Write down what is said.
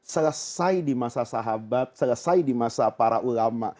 selesai di masa sahabat selesai di masa para ulama